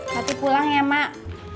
nanti pulang ya mak